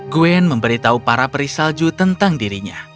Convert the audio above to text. gwen memberitahu para perisalju tentang dirinya